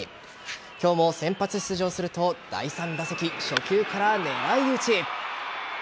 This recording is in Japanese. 今日も先発出場すると第３打席、初球から狙い打ち。